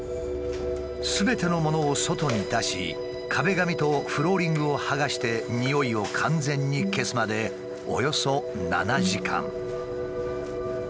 すべてのものを外に出し壁紙とフローリングを剥がしてにおいを完全に消すまでおよそ７時間。